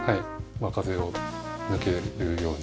まあ風が抜けるように。